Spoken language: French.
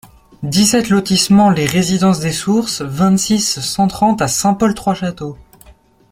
dix-sept lotissement Les Residences des Sources, vingt-six, cent trente à Saint-Paul-Trois-Châteaux